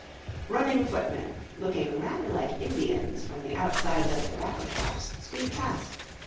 ] Running footmen, looking rather like Indians from the outsides of tobacco shops, speed past.